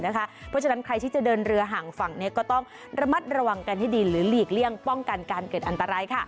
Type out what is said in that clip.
เพราะฉะนั้นใครที่จะเดินเรือห่างฝั่งนี้ก็ต้องระมัดระวังกันให้ดีหรือหลีกเลี่ยงป้องกันการเกิดอันตราย